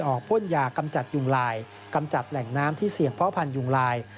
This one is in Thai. พ่นยากำจัดยุงลายกำจัดแหล่งน้ำที่เสี่ยงพ่อพันธุยุงลาย